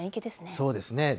そうですね。